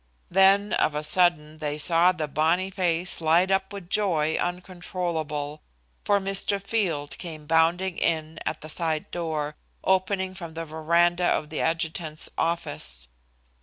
Then of a sudden they saw the bonny face light up with joy uncontrollable, for Mr. Field came bounding in at the side door, opening from the veranda of the adjutant's office.